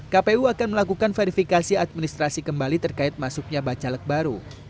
kpu akan melakukan verifikasi administrasi kembali terkait masuknya bacalek baru